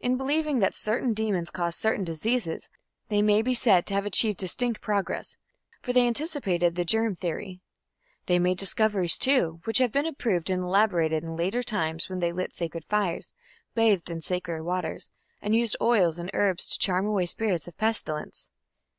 In believing that certain demons caused certain diseases, they may be said to have achieved distinct progress, for they anticipated the germ theory. They made discoveries, too, which have been approved and elaborated in later times when they lit sacred fires, bathed in sacred waters, and used oils and herbs to charm away spirits of pestilence.